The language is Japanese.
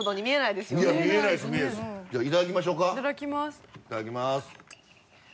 いただきます。